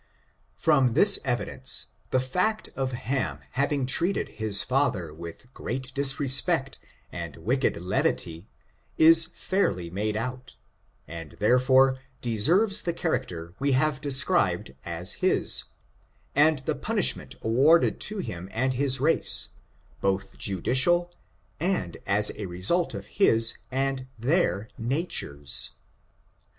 From this evidence, the fact of Ham having treated ^^h^M^^h^h^k^h^k^^^N^k^ ', 96 ORIGIN, CHARACTER, AND his father with great disrespect and wicked leyity, is fairly made out, and therefore deserves the character we have described as his, and the punishment award ed to him and his race, both juoiicio/ and as a result of his and their ncUures.